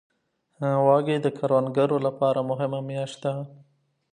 وږی د کروندګرو لپاره مهمه میاشت ده.